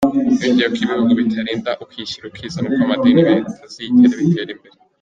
Yongeyeho ko ibihugu bitarinda ukwishyira ukizana kw’amadini bitazigera bitera imbere.